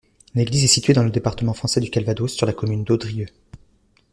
L'église est située dans le département français du Calvados, sur la commune d'Audrieu.